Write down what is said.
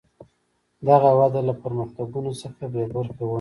دغه وده له پرمختګونو څخه بې برخې وه.